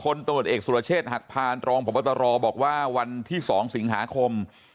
ตำรวจเอกสุรเชษฐ์หักพานรองพบตรบอกว่าวันที่๒สิงหาคม